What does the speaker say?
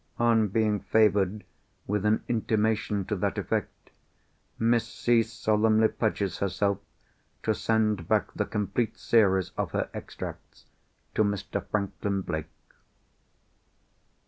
On being favoured with an intimation to that effect, Miss C. solemnly pledges herself to send back the complete series of her Extracts to Mr. Franklin Blake."